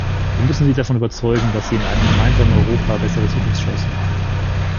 Wir müssen sie davon überzeugen, dass sie in einem gemeinsamen Europa bessere Zukunftschancen haben.